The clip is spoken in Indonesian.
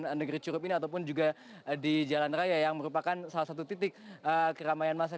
di negeri curup ini ataupun juga di jalan raya yang merupakan salah satu titik keramaian masa